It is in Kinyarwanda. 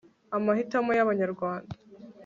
amahitamo y'abanyarwanda